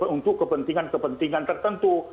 untuk kepentingan kepentingan tertentu